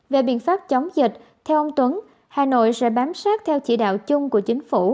về biện pháp chống dịch theo ông tuấn hà nội sẽ bám sát theo chỉ đạo chung của chính phủ